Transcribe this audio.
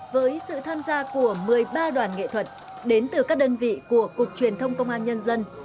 với sự tham gia của một mươi ba đoàn nghệ thuật đến từ các đơn vị của cục truyền thông công an nhân dân